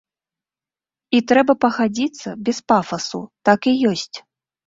І трэба пагадзіцца, без пафасу, так і ёсць.